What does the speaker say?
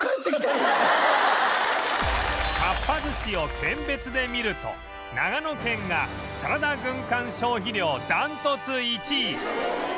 かっぱ寿司を県別で見ると長野県がサラダ軍艦消費量断トツ１位